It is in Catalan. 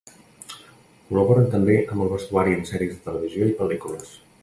Col·laboren també amb el vestuari en sèries de televisió i pel·lícules.